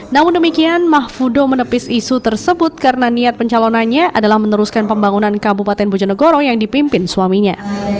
namun demikian mahfudo menepis isu tersebut karena niat pencalonannya adalah meneruskan pembangunan kabupaten bojonegoro yang dipimpin suaminya